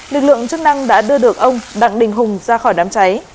lực lượng chức năng đã đưa được ông đặng đình hùng ra khỏi đám cháy